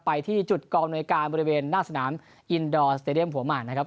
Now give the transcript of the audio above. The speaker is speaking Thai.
ไปที่จุดกองอำนวยการบริเวณหน้าสนามอินดอร์สเตรียมหัวหมากนะครับ